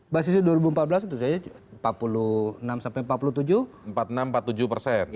basisnya dua ribu empat belas itu saya empat puluh enam sampai empat puluh tujuh